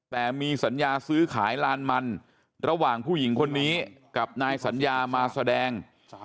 แต่มีสัญญาซื้อขายลานมันระหว่างผู้หญิงคนนี้กับนายสัญญามาแสดง